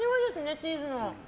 チーズの。